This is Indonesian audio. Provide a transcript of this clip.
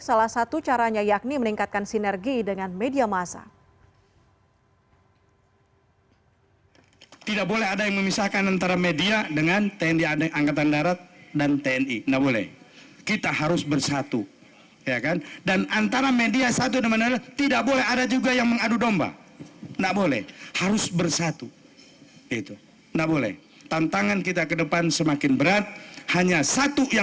salah satu caranya yakni meningkatkan sinergi dengan media masa